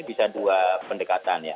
bisa dua pendekatan ya